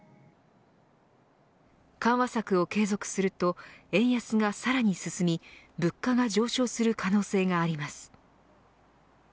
緩和策を継続すると円安がさらに進み物価が上昇する可能性があります。